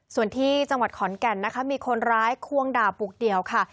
ส่วนที่จังหวัดขอนแก่นนะคะมีคนร้ายควงด่าปลูกเดี่ยวค่ะ